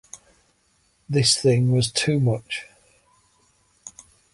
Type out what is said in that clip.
This thing was too much.